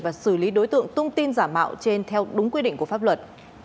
và xử lý đối tượng tung tin giả mạo trên theo đúng quy định của pháp luật